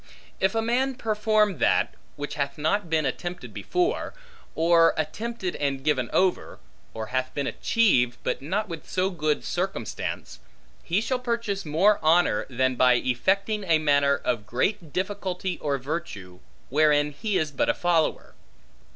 If a man perform that, which hath not been attempted before; or attempted and given over; or hath been achieved, but not with so good circumstance; he shall purchase more honor, than by effecting a matter of greater difficulty or virtue, wherein he is but a follower.